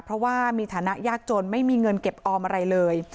เพราะว่ามีฐานะยากจนไม่มีเงินเก็บออมอะไรเลย